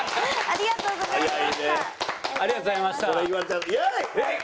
ありがとうございます。